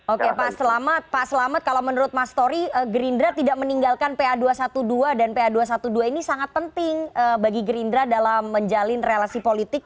oke pak selamat pak selamat kalau menurut mas tori gerindra tidak meninggalkan pa dua ratus dua belas dan pa dua ratus dua belas ini sangat penting bagi gerindra dalam menjalin relasi politik